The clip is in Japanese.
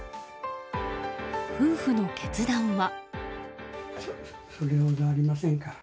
夫婦の決断は。